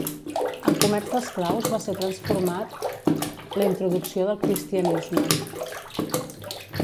El comerç d'esclaus va ser transformat la introducció del cristianisme.